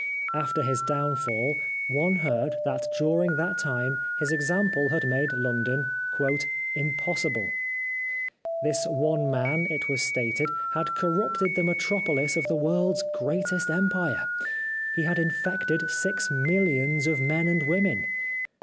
After his downfall one heard that during that time his example had made London " impossible." This one man, it was stated, had corrupted the metropolis of the world's greatest empire. He had infected six millions of men and women.